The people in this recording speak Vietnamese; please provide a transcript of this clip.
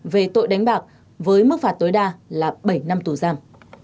về tội đánh bạc với mức phạt tối đa là bảy năm tù giam